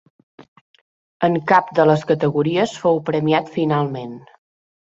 En cap de les categories fou premiat finalment.